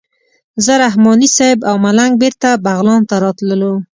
زه رحماني صیب او ملنګ بېرته بغلان ته راتللو.